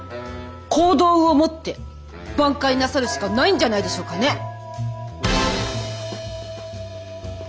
行動をもって挽回なさるしかないんじゃないでしょうかね。